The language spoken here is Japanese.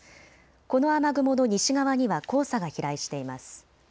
この雨雲の西側には黄砂が飛来しています。